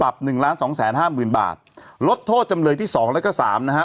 ปรับ๑๒๕๐๐๐๐บาทลดโทษจำเลยที่๒แล้วก็๓นะฮะ